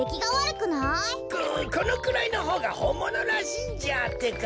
このくらいのほうがほんものらしいんじゃってか。